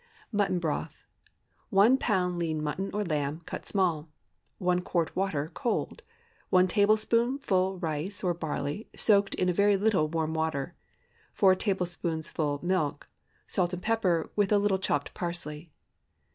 MUTTON BROTH. ✠ 1 lb. lean mutton or lamb, cut small. 1 quart water—cold. 1 tablespoonful rice, or barley, soaked in a very little warm water. 4 tablespoonfuls milk. Salt and pepper, with a little chopped parsley.